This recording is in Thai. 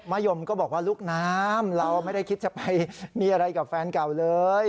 ยมก็บอกว่าลูกน้ำเราไม่ได้คิดจะไปมีอะไรกับแฟนเก่าเลย